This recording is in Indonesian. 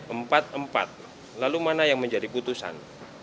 empat empat lalu mana yang menjadi putusan